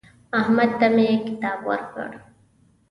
احمد ته مې کتاب ورکړ.